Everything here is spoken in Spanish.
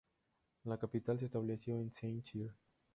La capital se estableció en Saint-Cyr.